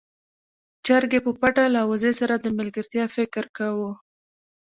چرګې په پټه له وزې سره د ملګرتيا فکر کاوه.